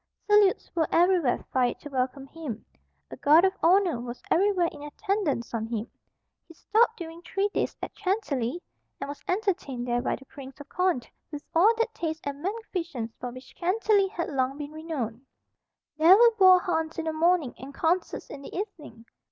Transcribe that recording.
Salutes were everywhere fired to welcome him. A guard of honour was everywhere in attendance on him. He stopped during three days at Chantilly, and was entertained there by the Prince of Condé with all that taste and magnificence for which Chantilly had long been renowned. There were boar hunts in the morning and concerts in the evening.